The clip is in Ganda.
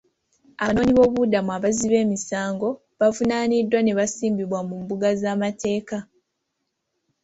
Abanoonyi boobubudamu abazzi b'emisango baavunaaniddwa ne basimbibwa mu mbuga z'amateeka.